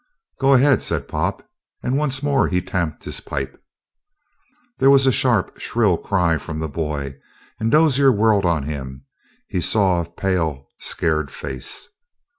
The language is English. "Go ahead," said Pop. And once more he tamped his pipe. There was a sharp, shrill cry from the boy, and Dozier whirled on him. He saw a pale, scared face.